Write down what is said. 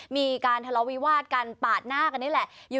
มีการทะเลาวิวาดกันปาดหน้ากันนี่แหละ